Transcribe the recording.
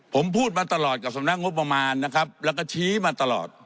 ผมพูดมาตลอดกับสำนักงบประมาณนะครับแล้วก็ชี้มาตลอด